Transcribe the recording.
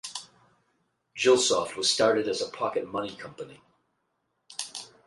Gilsoft was started as a pocket money company.